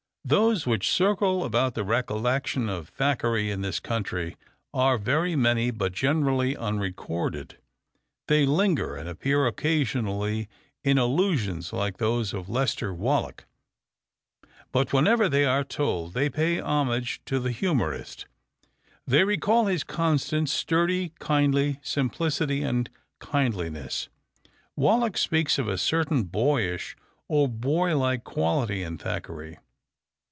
Those which circle about the recollection of Thackeray in this country are very many, but generally unrecorded. They linger, and appear occasionally in allusions like those of Lester Wallack. But whenever they are told they pay homage to the humorist. They recall his constant, sturdy, kindly simplicity and kindliness. Wallack speaks of a certain boyish or boy like quality in Thackeray.